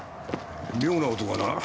妙な音がな。